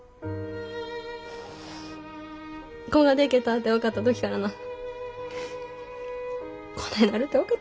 子がでけたて分かった時からなこないなるて分かってたんや。